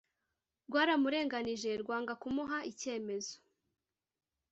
rwaramurenganije rwanga kumuha icyemezo